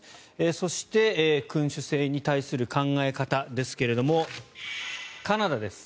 そして君主制に対する考え方ですがカナダです。